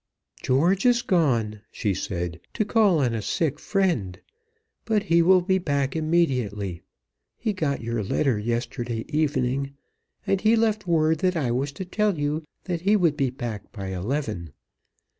"George is gone," she said, "to call on a sick friend, but he will be back immediately. He got your letter yesterday evening, and he left word that I was to tell you that he would be back by eleven.